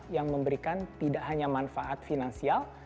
yang memberikan tidak hanya manfaat finansial